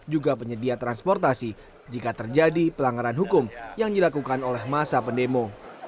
juga penyedia transportasi jika terjadi pelanggaran hukum yang dilakukan oleh masa pendemo